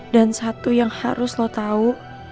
dan satu yang harus lo tahu